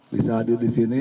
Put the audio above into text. bisa hadir disini